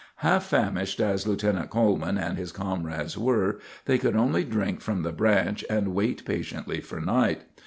Half famished as Lieutenant Coleman and his comrades were, they could only drink from the branch and wait patiently for night.